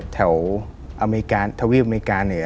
แถวอเมริกา